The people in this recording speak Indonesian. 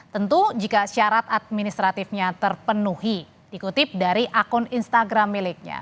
tentu jika syarat administratifnya terpenuhi dikutip dari akun instagram miliknya